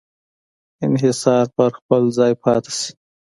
انحصار په خپل ځای پاتې شي.